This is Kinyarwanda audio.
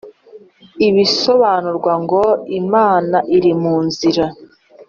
i bisobanurwa ngo Imana iri munzira